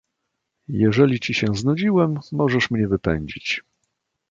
"Jeżeli ci się znudziłem, możesz mnie wypędzić."